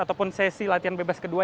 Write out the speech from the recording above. ataupun sesi latihan bebas kedua